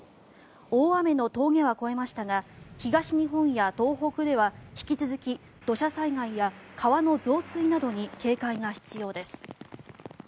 大雨の峠は越えましたが東日本や東北では引き続き土砂災害や川の増水などに警戒が必要です。